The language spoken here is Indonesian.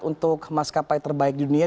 untuk maskapai terbaik dunia